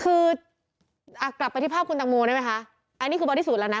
คือกลับไปที่ภาพคุณตังโมได้ไหมคะอันนี้คือบริสูจนแล้วนะ